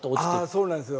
そうなんですよ。